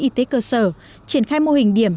y tế cơ sở triển khai mô hình điểm